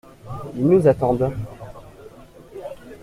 Ils nous attendent.